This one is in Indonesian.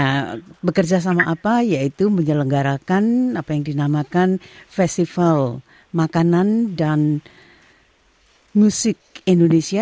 nah bekerja sama apa yaitu menyelenggarakan apa yang dinamakan festival makanan dan musik indonesia